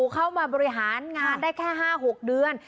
เข้ามาบริหารงานได้แค่๕๖เดือน